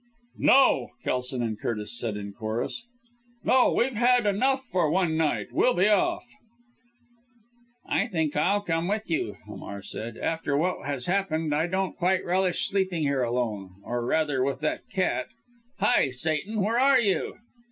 "No!" Kelson and Curtis said in chorus. "No! We've had enough for one night. We'll be off!" "I think I'll come with you," Hamar said, "after what has happened I don't quite relish sleeping here alone or rather with that cat. Hi Satan, where are you?"